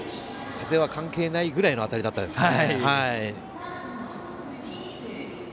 風は関係ないぐらいの当たりでしたね。